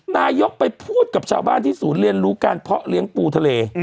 นายกไปพูดกับชาวบ้านที่ศูนย์เรียนรู้การเพาะเลี้ยงปูทะเล